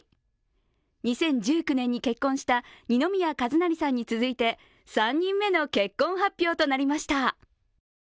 ２０１９年に結婚した二宮和也さんに続いて３人目の結婚発表となりました。